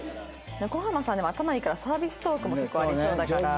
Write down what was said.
小浜さんでも頭いいからサービストークも結構ありそうだから。